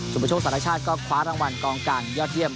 ประโชคสารชาติก็คว้ารางวัลกองกลางยอดเยี่ยม